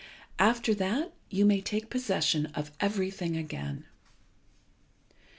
After that you may take possession of everything again."